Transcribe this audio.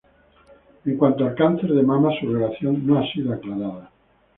En cuanto al cáncer de mama, su relación no ha sido aclarada.